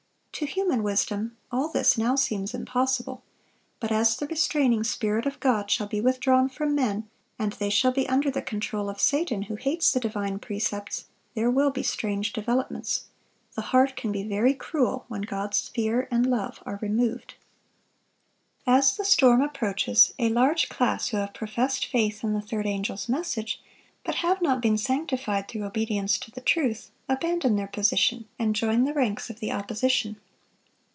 To human wisdom, all this now seems impossible; but as the restraining Spirit of God shall be withdrawn from men, and they shall be under the control of Satan, who hates the divine precepts, there will be strange developments. The heart can be very cruel when God's fear and love are removed. As the storm approaches, a large class who have professed faith in the third angel's message, but have not been sanctified through obedience to the truth, abandon their position, and join the ranks of the opposition.